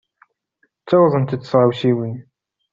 Ttawḍent-d tɣawsiwin.